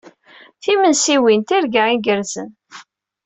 Timensiwin, tirga igerrzen!